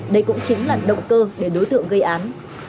đây cũng chính là động cơ để đối tượng gây án